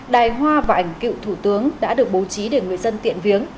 đài hoa và ảnh cựu thủ tướng đã được bố trí để người dân tiện viếng